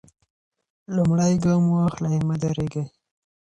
لومړی ګام واخلئ او مه درېږئ.